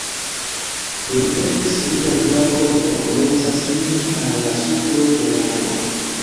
Do li prenis lian brakon kaj komencas iri al la supro de la monto.